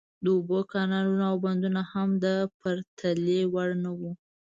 د اوبو کانالونه او بندونه هم د پرتلې وړ نه وو.